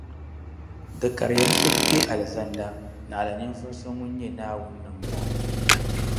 Di kariya ni so ti kpe Alizanda, naɣila ninvuɣu so ŋun nyɛ Naawuni namboɣu